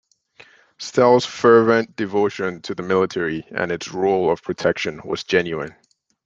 Stelle's fervent devotion to the military and its role of protection, was genuine.